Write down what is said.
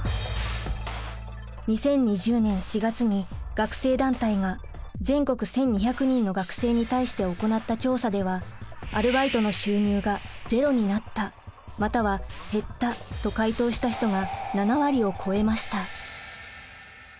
２０２０年４月に学生団体が全国１，２００人の学生に対して行った調査ではアルバイトの収入がゼロになったまたは減ったと回答した人が７割を超えました。